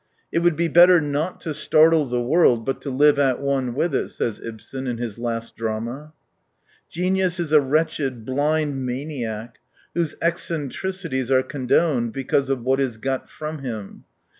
" It would be better not to startle the world, but to live at one with it," says Ibsen in his last drama. Genius is a wretched, blind maniac, whose eccentricities are condoned because of what is got from him.